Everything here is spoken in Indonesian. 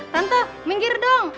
tante minggir dong